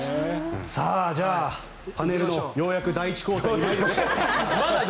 じゃあ、パネルのようやく第１クオーターに行きましょうか。